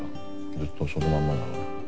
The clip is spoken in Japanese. ずっとそのまんまだから。